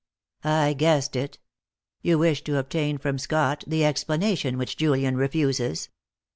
"I guessed it. You wish to obtain from Scott the explanation which Julian refuses.